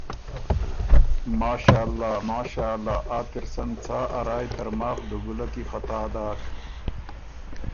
ماشأالله، ماشأالله، آ تِر سن څا ا رایٛ ترماخ ډُوګُوله کی خطا داک؟